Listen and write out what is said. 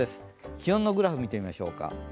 気温のグラフを見てみましょうか。